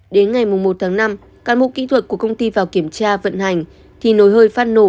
đến ngày một tháng năm cán bộ kỹ thuật của công ty vào kiểm tra vận hành thì nồi hơi phát nổ